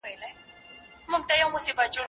هم بېحده رشوت خوره هم ظالم وو